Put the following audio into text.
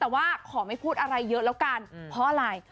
แต่ว่าขอไม่พูดอะไรเยอะแล้วกันเพราะอะไร